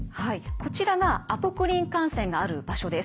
こちらがアポクリン汗腺がある場所です。